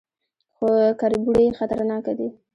_خو کربوړي خطرناکه دي.